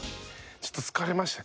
ちょっと疲れましたね。